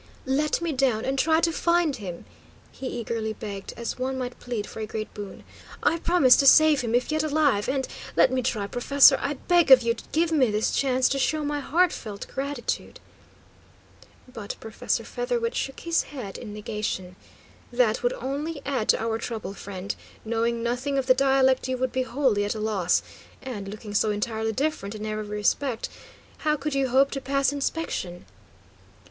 "Let me down and try to find him," he eagerly begged, as one might plead for a great boon. "I promise to save him if yet alive, and let me try, professor; I beg of you, give me this chance to show my heartfelt gratitude." But Professor Featherwit shook his head in negation. "That would only add to our trouble, friend. Knowing nothing of the dialect, you would be wholly at a loss. And, looking so entirely different in every respect, how could you hope to pass inspection?"